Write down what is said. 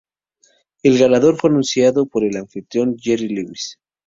El ganador fue anunciado por el anfitrión, Jerry Lewis.